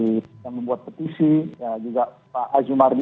ini seperti apa sih sebetulnya bang wandi